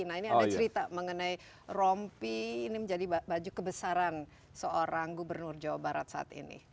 nah ini ada cerita mengenai rompi ini menjadi baju kebesaran seorang gubernur jawa barat saat ini